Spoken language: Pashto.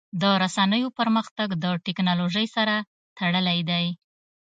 د رسنیو پرمختګ د ټکنالوژۍ سره تړلی دی.